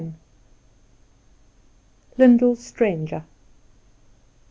IX. Lyndall's Stranger.